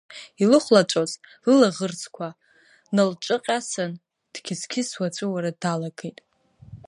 Илыхәлаҵәоз лылаӷырӡқәа налҿыкьасан, дқьызқьызуа аҵәуара далагеит.